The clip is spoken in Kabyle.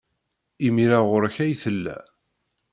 Imir-a, ɣer-k ay tella.